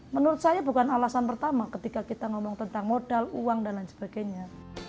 menurut saya bukan alasan pertama ketika kita ngomong tentang modal uang dan lain sebagainya